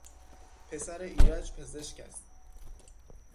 پسر ایرج پزشک است.